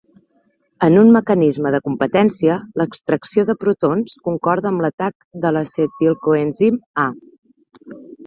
En un mecanisme de competència, l'extracció de protons concorda amb l'atac de l'acetilcoenzim A